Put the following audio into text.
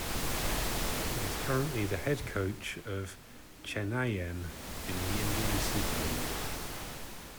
He is currently the head coach of Chennaiyin in the Indian Super League.